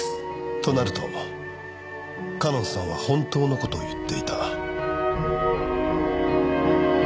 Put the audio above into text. となると夏音さんは本当の事を言っていた。